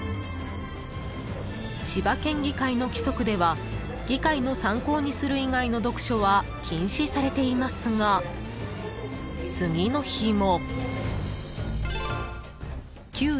［千葉県議会の規則では議会の参考にする以外の読書は禁止されていますが次の日も］